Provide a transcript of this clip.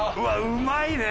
うまい！